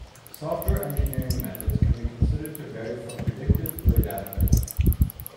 Software engineering methods can be considered to vary from predictive through adaptive.